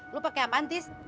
lu pakai apaan tis